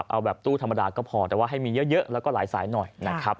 เอาแบบตู้ธรรมดาก็พอแต่ว่าให้มีเยอะแล้วก็หลายสายหน่อยนะครับ